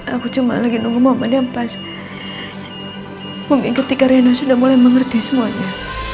aku cuma lagi nunggu momen yang pas mungkin ketika rina sudah mulai mengerti semuanya